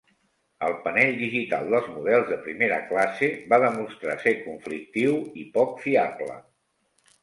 El panell digital dels models de primera classe va demostrar ser conflictiu i poc fiable.